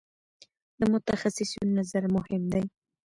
د متخصصینو نظر مهم دی.